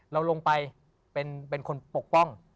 เราลงไปเป็นคนปกป้อง